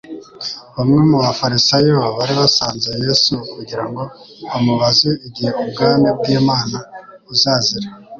Bamwe mu bafarisayo bari basanze Yesu kugira ngo bamubaze "igihe ubwami bw'Imana buzazira."